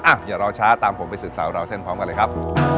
อ่ะอย่ารอช้าตามผมไปสื่อสารเล่าเส้นพร้อมกันเลยครับ